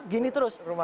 jadi satu tahun pertama